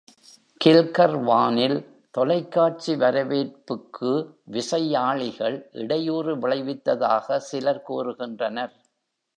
கில்கர்வானில் தொலைக்காட்சி வரவேற்புக்கு விசையாழிகள் இடையூறு விளைவித்ததாக சிலர் கூறுகின்றனர்.